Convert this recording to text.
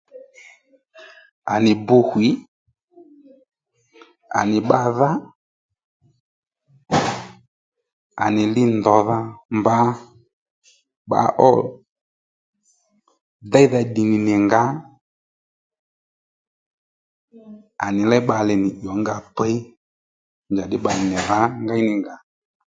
À nì bu hwǐ à nì bba dhá à nì lindò-dha mbǎ bba ó déydha ddì nì nì ngǎ à nì léy bbalè nì ì ó nga piy njaddí bbalè nì rǎ ngéyníngà